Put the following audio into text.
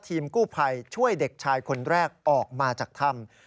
ทีมกู้ภัยช่วยเด็กชายคนแรกออกมาจากถ้ำ